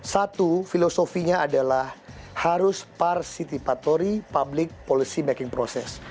satu filosofinya adalah harus parcitipatory public policy making process